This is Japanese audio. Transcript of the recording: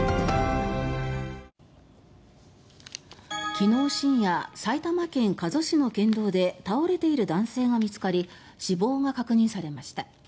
昨日深夜埼玉県加須市の県道で倒れている男性が見つかり死亡が確認されました。